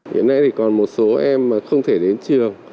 hiện nay thì còn một số em mà không thể đến trường